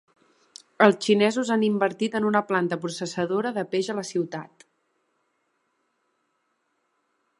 Els xinesos han invertit en una planta processadora de peix a la ciutat.